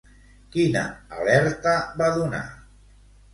Quina alerta va donar?